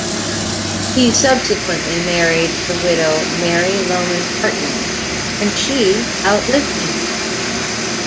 He subsequently married the widow Mary Loman Hartman, and she outlived him.